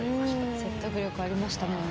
説得力ありましたもんね。